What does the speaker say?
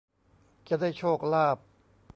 จะได้โชคลาภ